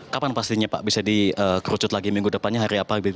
kapan pastinya pak bisa dikerucut lagi minggu depannya hari apa